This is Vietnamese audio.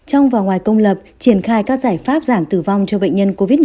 trong và ngoài công lập triển khai các giải pháp giảm tử vong cho bệnh nhân covid một mươi chín